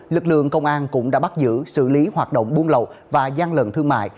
lực lượng công an cũng đã bắt giữ xử lý hoạt động buôn lậu và gian lận thương mại